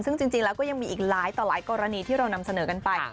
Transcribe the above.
ซึ่งจริงแล้วก็ยังมีอีกหลายต่อหลายกรณีที่เรานำเสนอกันไป